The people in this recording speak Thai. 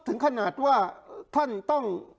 ถึงขนาดว่าท่านต้อง